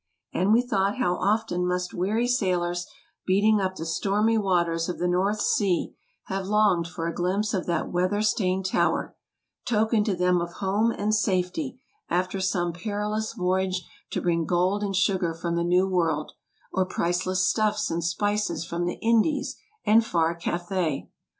And we thought how often must weary sailors, beating up the stormy waters of the North Sea, have longed for a glimpse of that weather stained tower, token to them of home and safety after some perilous voyage to bring gold and sugar from the New World, or priceless stuffs and spices from the Indies and far Cathay!